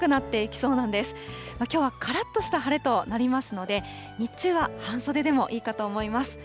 きょうはからっとした晴れとなりますので、日中は半袖でもいいかと思います。